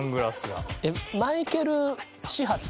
マイケル始発。